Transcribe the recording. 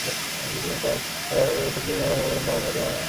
তিনি তার সতীর্থ দিয়েগো মারাদোনার মৃত্যুর দুই সপ্তাহ পরে মৃত্যুবরণ করেছেন।